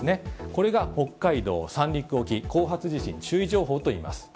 これが北海道・三陸沖後発地震注意情報といいます。